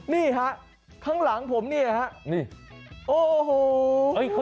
นี่ครับข้างหลังผมนี่ครับ